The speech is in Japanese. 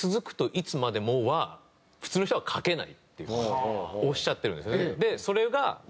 いつまでも」は普通の人は書けないっていう風におっしゃってるんですよね。